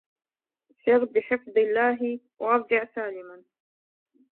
سر بحفظ الله وارجع سالما